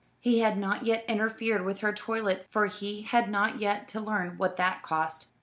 He had not yet interfered with her toilet, for he had yet to learn what that cost.